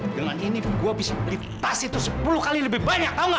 dengan ini gue bisa beli tas itu sepuluh kali lebih banyak tahu gak